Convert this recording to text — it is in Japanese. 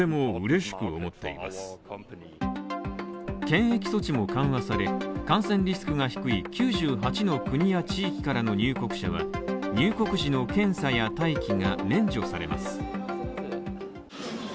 検疫措置も緩和され、感染リスクが低い９８の国や地域からの入国者は入国時の検査や待機が免除されます。